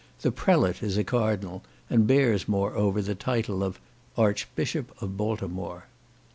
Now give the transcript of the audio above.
The prelate is a cardinal, and bears, moreover, the title of "Archbishop of Baltimore."